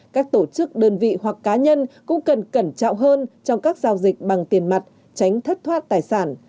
các tổ chức đơn vị hoặc cá nhân cũng cần cẩn trọng hơn trong các giao dịch bằng tiền mặt tránh thất thoát tài sản